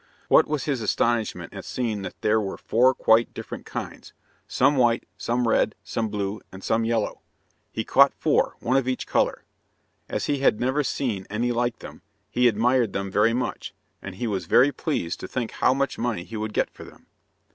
What was his astonishment at seeing that there were four quite different kinds, some white, some red, some blue, and some yellow. He caught four, one of each colour. As he had never seen any like them he admired them very much, and he was very pleased to think how much money he would get for them.